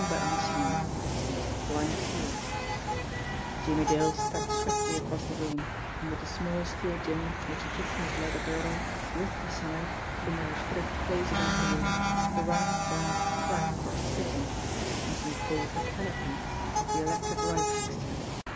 r XXVIII blind peter's JIMMIE DALE stepped swiftly across the room, and with a small steel jimmy which he took from his leather girdle, ripped aside, from where it fitted close against the wall, the round brass plaque or fitting, technically called the canopy, of the electric light fixture.